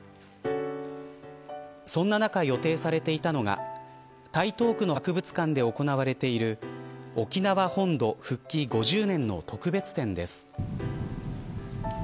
そんな中、予定されていたのが台東区の博物館で行われている沖縄本土復帰５０年の特別展です。